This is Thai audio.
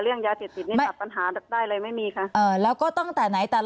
เรื่องยาเสพติดนี่แบบปัญหาได้เลยไม่มีค่ะเออแล้วก็ตั้งแต่ไหน